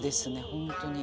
本当に。